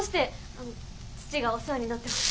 あの父がお世話になってます。